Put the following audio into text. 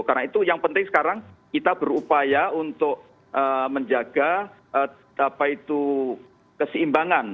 karena itu yang penting sekarang kita berupaya untuk menjaga apa itu kesimbangan